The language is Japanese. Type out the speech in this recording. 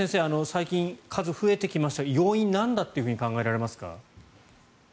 最近、数が増えてきました要因はなんだと考えられますか。